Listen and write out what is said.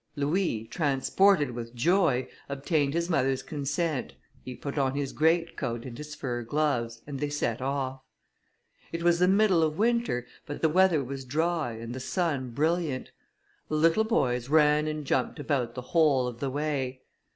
Louis, transported with joy, obtained his mother's consent: he put on his great coat and his fur gloves, and they set off. It was the middle of winter, but the weather was dry, and the sun brilliant. The little boys ran and jumped about the whole of the way.